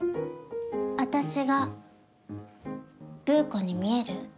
私がブー子に見える？